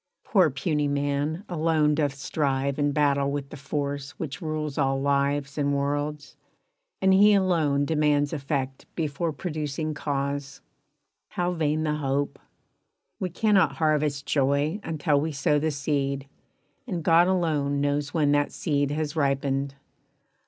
Poor puny man Alone doth strive and battle with the Force Which rules all lives and worlds, and he alone Demands effect before producing cause. How vain the hope! We cannot harvest joy Until we sow the seed, and God alone Knows when that seed has ripened.